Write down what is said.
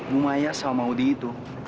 bu maya sama udi itu